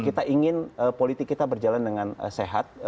kita ingin politik kita berjalan dengan sehat